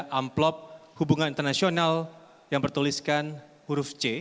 amplop hubungan internasional yang bertuliskan huruf c